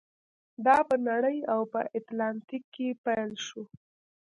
دا په نړۍ او په اتلانتیک کې پیل شو.